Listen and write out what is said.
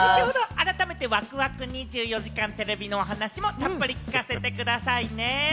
改めてわくわく『２４時間テレビ』のお話もたっぷり聞かせてくださいね。